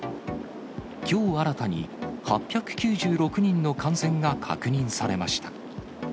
きょう新たに、８９６人の感染が確認されました。